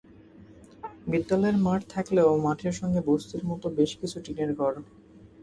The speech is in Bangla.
বিদ্যালয়ের মাঠ থাকলেও মাঠের সঙ্গে বস্তির মতো বেশ কিছু টিনের ঘর।